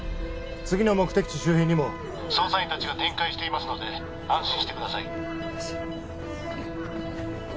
次の目的地周辺にも捜査員達が展開していますので安心してください